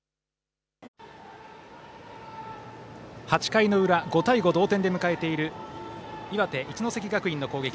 ８回の裏５対５、同点で迎えている岩手・一関学院の攻撃。